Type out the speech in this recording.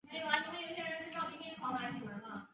多数人口集中在都会地区。